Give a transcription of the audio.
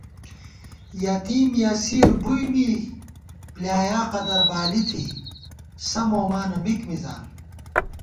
یتیم یسیر بُوئی می بۡلیایا قدربالی تھی، سہ مومانہ مِک مِزان